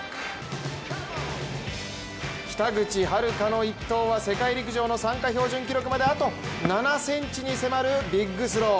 北口榛花の一投は世界陸上の参加標準記録まであと７ｃｍに迫るビッグスロー！